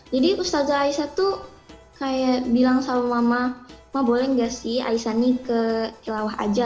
jadi ustazah aisyah tuh kayak bilang sama mama mama boleh nggak sih aisyah nih ke tilawah aja